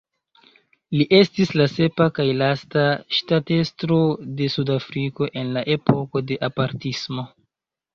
Li estis la sepa kaj lasta ŝtatestro de Sudafriko en la epoko de apartismo.